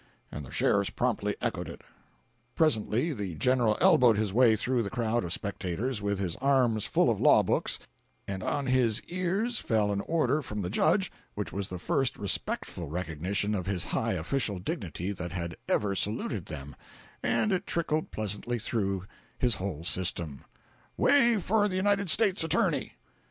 And the sheriffs promptly echoed it. Presently the General elbowed his way through the crowd of spectators, with his arms full of law books, and on his ears fell an order from the judge which was the first respectful recognition of his high official dignity that had ever saluted them, and it trickled pleasantly through his whole system: "Way for the United States Attorney!"